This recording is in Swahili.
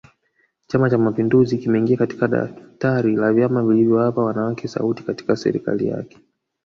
Chama Cha mapinduzi kimeingia katika daftari la vyama vilivyowapa wanawake sauti katika serikali yake